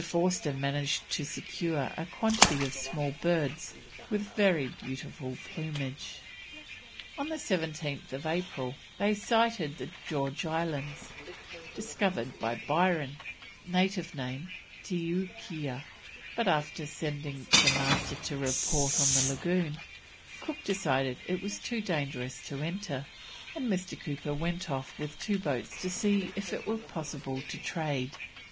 Forster managed to secure a quantity of small birds with very beautiful plumage. On the 17th April they sighted the George Islands, discovered by Byron (native name, Tiookea), but, after sending the Master to report on the lagoon, Cook decided it was too dangerous to enter, and Mr. Cooper went off with two boats to see if it were possible to trade.